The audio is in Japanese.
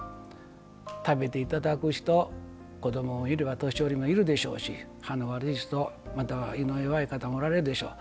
食べていただく人子どももいれば年寄りもいるでしょうし歯の悪い人、または胃の弱い方もおられるでしょう。